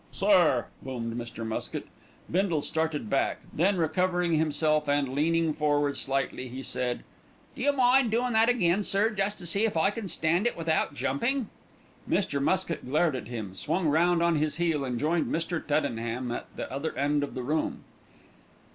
"Sir!" boomed Mr. Muskett. Bindle started back, then recovering himself and, leaning forward slightly, he said: "Do you mind doin' that again, sir, jest to see if I can stand it without jumping." Mr. Muskett glared at him, swung round on his heel and joined Mr. Tuddenham at the other end of the room.